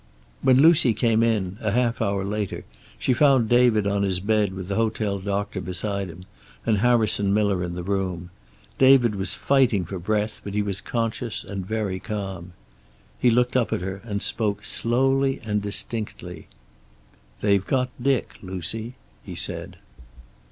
When Lucy came in, a half hour later, she found David on his bed with the hotel doctor beside him, and Harrison Miller in the room. David was fighting for breath, but he was conscious and very calm. He looked up at her and spoke slowly and distinctly. "They've got Dick, Lucy," he said.